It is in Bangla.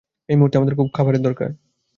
এই মুহূর্তে আমাদের খুব খাবারের দরকার।